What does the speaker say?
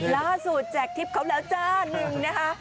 แจกทิพย์เขาแล้วจ้าหนึ่งนะคะ